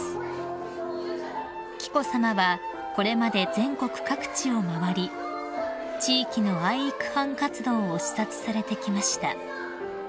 ［紀子さまはこれまで全国各地を回り地域の愛育班活動を視察されてきました］